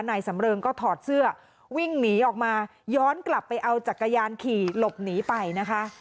นายสำเริงก็ถอดเสื้อวิ่งหนีออกมาย้อนกลับไปเอาจักรยานขี่หลบหนีไปนะคะ